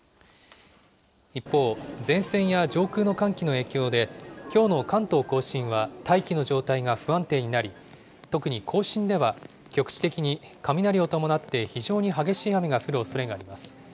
一方、前線や上空の寒気の影響で、きょうの関東甲信は、大気の状態が不安定になり、特に甲信では局地的に雷を伴って非常に激しい雨が降るおそれがあります。